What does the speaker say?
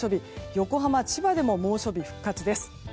横浜、千葉でも猛暑日復活です。